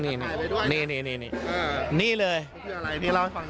นี่นี่รอกล้างหน่อย